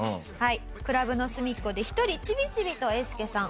クラブの隅っこで１人ちびちびとえーすけさん